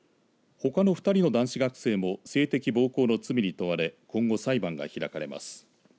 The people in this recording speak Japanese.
ほかの２人の男子学生も性的暴行の罪に問われ今後、裁判が開かれます。